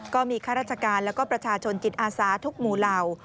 ข้าราชการแล้วก็ประชาชนจิตอาสาทุกหมู่เหล่า